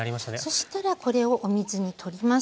そしたらこれをお水に取ります。